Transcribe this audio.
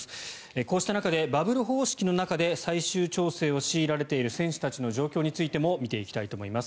こうした中でバブル方式の中で最終調整を強いられている選手たちの状況についても見ていきたいと思います。